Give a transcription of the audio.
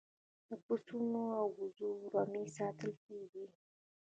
د پسونو او وزو رمې ساتل کیدې